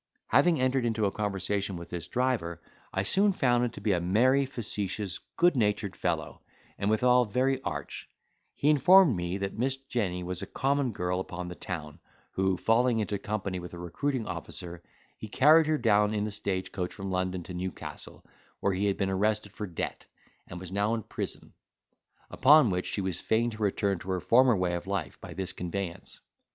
Having entered into a conversation with this driver, I soon found him to be a merry, facetious, good natured fellow, and withal very arch; he informed me, that Miss Jenny was a common girl upon the town, who, falling into company with a recruiting officer, he carried her down in the stage coach from London to Newcastle, where he had been arrested for debt, and was now in prison; upon which she was fain to return to her former way of life, by this conveyance.